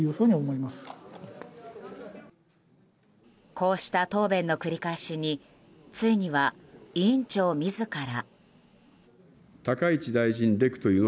こうした答弁の繰り返しについには委員長自ら。